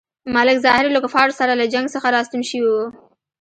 ملک ظاهر له کفارو سره له جنګ څخه راستون شوی وو.